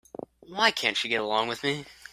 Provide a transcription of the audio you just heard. Why can't she get along with me?